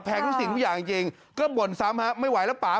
ทุกสิ่งทุกอย่างจริงก็บ่นซ้ำฮะไม่ไหวแล้วป่า